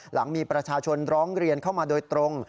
หลังมีประชาชนร้องเรียนเข้ามาโดยตรง